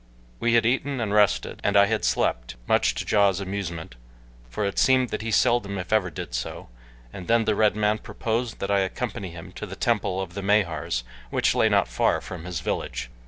We had eaten and rested, and I had slept, much to Ja's amusement, for it seemed that he seldom if ever did so, and then the red man proposed that I accompany him to the temple of the Mahars which lay not far from his village.